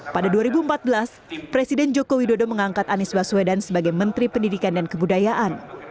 pada dua ribu empat belas presiden joko widodo mengangkat anies baswedan sebagai menteri pendidikan dan kebudayaan